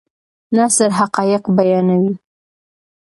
نثر حقایق بیانوي.